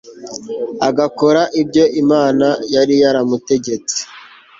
agakora ibyo imana yari yaramutegetse